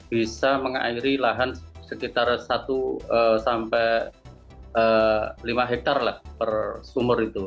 bisa mengairi lahan sekitar satu sampai lima hektare lah per sumur itu